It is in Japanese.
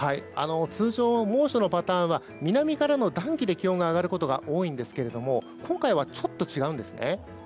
通常、猛暑のパターンは南からの暖気で気温が上がることが多いんですけども今回はちょっと違うんですね。